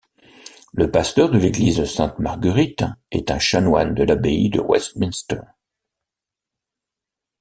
Le Pasteur de l'église Sainte-Marguerite est un chanoine de l'Abbaye de Westminster.